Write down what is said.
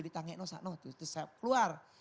terus saya keluar